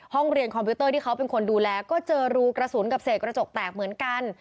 ห้องเรียนคอมพิวเตอร์ที่เขาเป็นคนดูแลก็เจอรูกระสุนกับเสกกระจกแตกเหมือนกัน